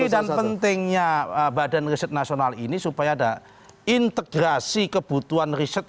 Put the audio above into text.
keinginan pentingnya badan riset nasional ini supaya ada integrasi kebutuhan riset